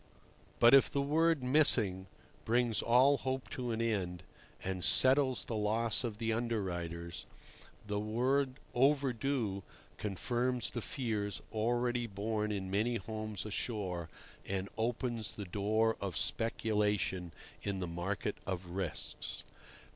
But if the word "missing" brings all hope to an end and settles the loss of the underwriters, the word "overdue" confirms the fears already born in many homes ashore, and opens the door of speculation in the market of risks.